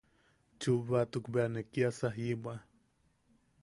Chubbatuk bea ne kiasa jiʼibwa.